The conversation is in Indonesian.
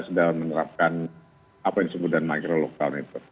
sedang menerapkan apa yang disebutkan micro lockdown itu